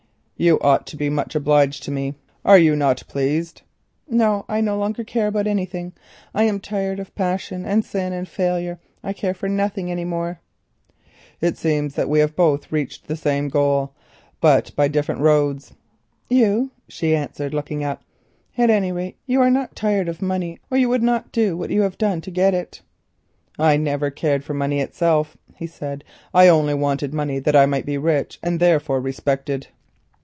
"You ought to be much obliged to me. Are you not pleased?" "No. I no longer care about anything. I am tired of passion, and sin and failure. I care for nothing any more." "It seems that we have both reached the same goal, but by different roads." "You?" she answered, looking up; "at any rate you are not tired of money, or you would not do what you have done to get it." "I never cared for money itself," he said. "I only wanted money that I might be rich and, therefore, respected."